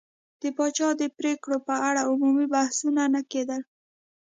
د پاچا د پرېکړو په اړه عمومي بحثونه نه کېدل.